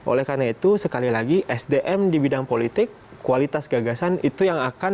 oleh karena itu sekali lagi sdm di bidang politik kualitas gagasan itu yang akan